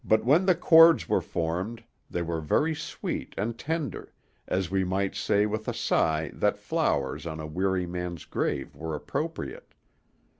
But when the chords were formed, they were very sweet and tender, as we might say with a sigh that flowers on a weary man's grave were appropriate.